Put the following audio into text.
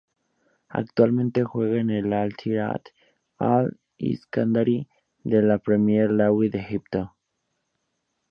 Actualmente juega en el Al-Ittihad Al-Iskandary de la Premier League de Egipto.